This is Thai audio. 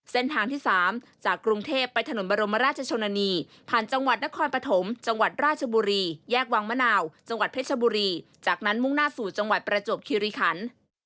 เส้นทางที่๓จากกรุงเทพไปถนนบรมราชชนนานีผ่านจังหวัดนครปฐมจังหวัดราชบุรีแยกวังมะนาวจังหวัดเพชรบุรีจากนั้นมุ่งหน้าสู่จังหวัดประจวบคิริคัน